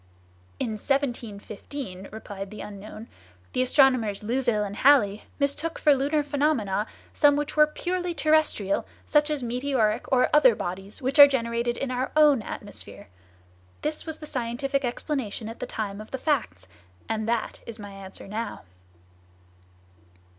"In 1715," replied the unknown, "the astronomers Louville and Halley mistook for lunar phenomena some which were purely terrestrial, such as meteoric or other bodies which are generated in our own atmosphere. This was the scientific explanation at the time of the facts; and that is my answer now."